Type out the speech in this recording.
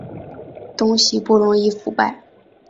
东西不容易腐败